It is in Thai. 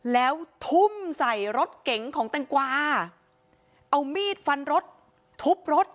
แล้วทุ่มใส่รถเก๋งของแตงกวาเอามีดฟันรถทุบรถ